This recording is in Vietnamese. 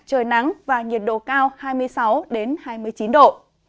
trời nắng và nhiệt độ cao hai mươi sáu hai mươi chín độ